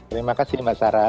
terima kasih mbak sarah